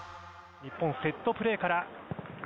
日本セットプレーから。